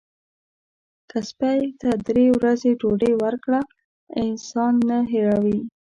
که سپي ته درې ورځې ډوډۍ ورکړه احسان نه هیروي.